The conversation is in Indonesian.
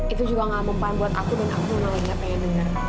itu juga nggak mempunyai buat aku dan aku yang lagi nggak pengen dengar